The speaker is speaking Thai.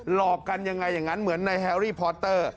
หลอกกันยังไงอย่างนั้นเหมือนในแฮรี่พอสเตอร์